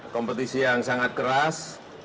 kompetisi yang sangat keras